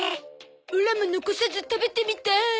オラも残さず食べてみたい。